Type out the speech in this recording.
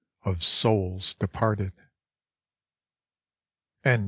of souls departed.